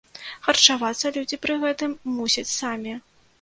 Харчавацца людзі пры гэтым мусяць самі.